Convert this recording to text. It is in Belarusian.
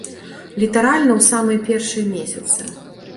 Літаральна ў самыя першыя месяцы.